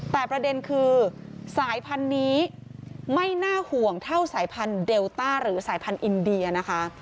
แต่ประเด็นคือสายพันธุ์นี้ไม่น่าห่วงเท่าสายพันธุเดลต้าหรือสายพันธุ์อินเดียนะคะ